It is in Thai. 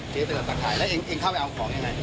เจ๊ตัดตะข่ายแล้วเอ็งเข้าไปเอาของไง